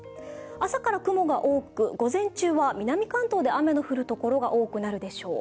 朝から雲が多く、午前中は南関東で雨の降るところが多くなるでしょう。